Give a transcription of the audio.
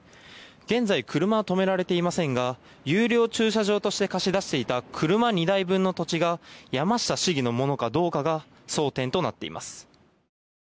現在、車は止められていませんが有料駐車場として貸し出していた車２台分の土地が山下市議のものかどうかが争点となっています。